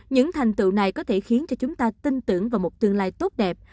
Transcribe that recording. những thành tựu này có thể khiến cho chúng ta tin tưởng vào một tương lai tốt đẹp